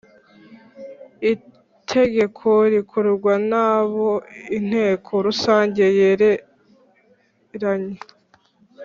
Itegeko rikorwa n abo Inteko Rusange yareranye